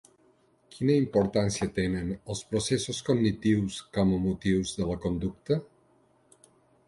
Quina importància tenen els processos cognitius com a motius de la conducta?